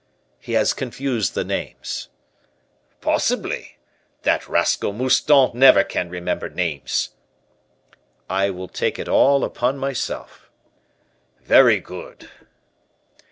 "He has confused the names." "Possibly. That rascal Mouston never can remember names." "I will take it all upon myself." "Very good."